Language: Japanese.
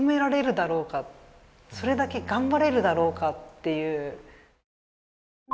それだけ頑張れるだろうかっていう。